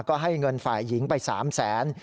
ก็ให้เงินฝ่ายหญิงไป๓แสน